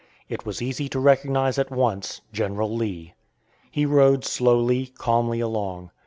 It was easy to recognize at once General Lee. He rode slowly, calmly along.